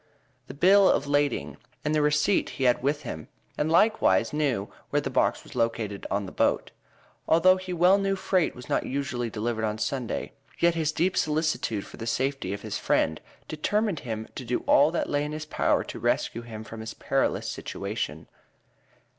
The bill of lading and the receipt he had with him, and likewise knew where the box was located on the boat. Although he well knew freight was not usually delivered on Sunday, yet his deep solicitude for the safety of his friend determined him to do all that lay in his power to rescue him from his perilous situation.